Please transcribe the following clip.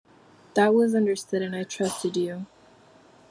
That was understood, and I trusted you.